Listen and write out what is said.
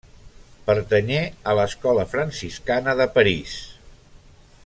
Pertanyé a l'escola franciscana de París.